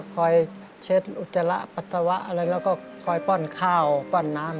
คอยเช็ดอุจจาระปัสสาวะอะไรแล้วก็คอยป้อนข้าวป้อนน้ำ